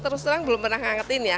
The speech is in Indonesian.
terus terang belum pernah ngangetin ya